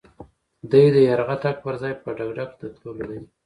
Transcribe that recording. دی د يرغه تګ پر ځای په ډګډګ د تللو دی.